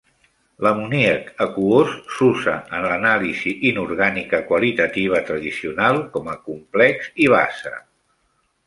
L'amoníac aquós s'usa en l'anàlisi inorgànica qualitativa tradicional com a complex i base.